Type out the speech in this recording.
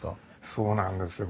そうなんですよ。